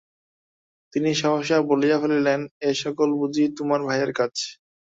তিনি সহসা বলিয়া ফেলিলেন, এ-সকল বুঝি তোমার ভাইয়ের কাজ?